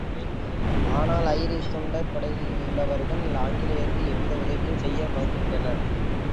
ஆனால் ஐரிஷ் தொண்டர் படையிலுள்ளவர்கள் ஆங்கிலேயருக்கு எவ்வித உதவியும் செய்ய மறுத்துவிட்டனர்.